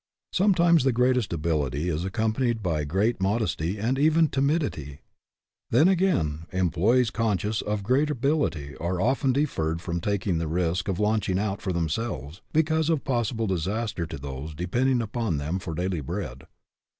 Sometimes the greatest ability is accompanied by great mod esty and even timidity. Then, again, em ployees conscious of great ability are often de terred from taking the risk of launching out for themselves because of possible disaster to those depending upon them for daily bread.